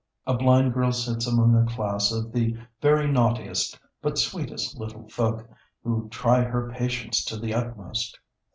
A blind girl sits among a class of the very naughtiest but sweetest little folk, who try her patience to the utmost.